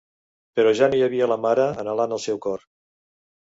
Però ja no hi havia la mare anhelant al seu cor.